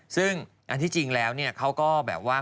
ซึ่งอันที่จริงแล้วเขาก็แบบว่า